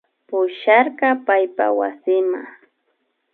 Pusharka paypa wasima